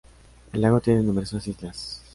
El lago tiene numerosas islas.